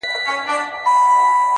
• چنداني چا سیالي نه ده کړې -